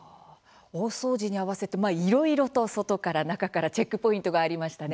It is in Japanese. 大掃除に合わせていろいろと、外から中からチェックポイントがありましたね。